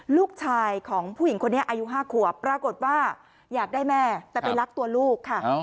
ลูกชายของผู้หญิงคนนี้อายุ๕ขวบปรากฏว่าอยากได้แม่แต่ไปรักตัวลูกค่ะ